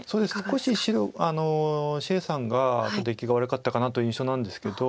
少し白謝さんがちょっと出来が悪かったかなという印象なんですけど。